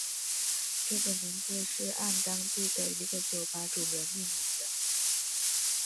这个名字是按当地的一个酒吧主人命名的。